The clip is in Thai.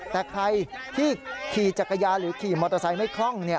แต่ใครที่ขี่จักรยานหรือขี่มอเตอร์ไซค์ไม่คล่อง